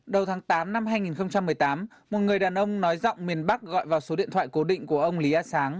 đầu tháng tám năm hai nghìn một mươi tám một người đàn ông nói giọng miền bắc gọi vào số điện thoại cố định của ông lý a sáng